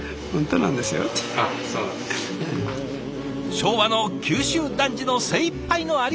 昭和の九州男児の精いっぱいの「ありがとう」。